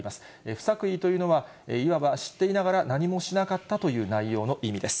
不作為というのは、いわば知っていながら何もしなかったという内容の意味です。